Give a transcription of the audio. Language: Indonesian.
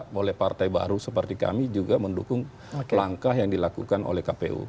dan itu juga oleh partai baru seperti kami juga mendukung langkah yang dilakukan oleh kpu